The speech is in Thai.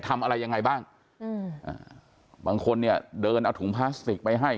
ทำอะไรยังไงบ้างอืมอ่าบางคนเนี่ยเดินเอาถุงพลาสติกไปให้